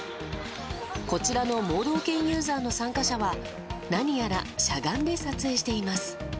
こちらの盲導犬ユーザーの参加者は何やらしゃがんで撮影しています。